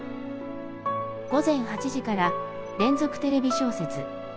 「午前８時から『連続テレビ小説』」。